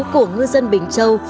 của ngư dân bình châu